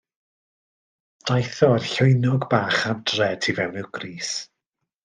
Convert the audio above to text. Daeth o â'r llwynog bach adre y tu fewn i'w grys.